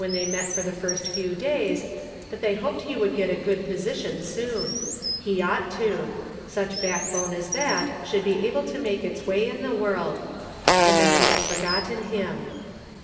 they met for the first few days, that they hoped he would get a good position soon — he ought to ; such back bone as that should be able to make its way in the world ; and then they had forgotten him.